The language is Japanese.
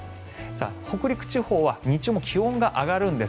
北陸地方は日中も気温が上がるんです。